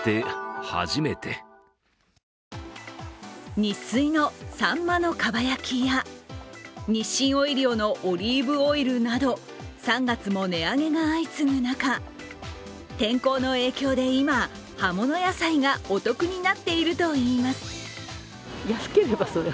ニッスイのさんまの蒲焼や日清オイリオのオリーブオイルなど３月も値上げが相次ぐ中、天候の影響で今、葉物野菜がお得になっているといいます。